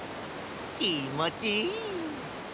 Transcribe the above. きもちいい。